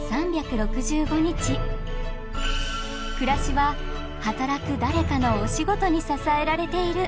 暮らしは働く誰かのお仕事に支えられている。